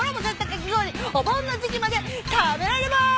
お盆の時季まで食べられます。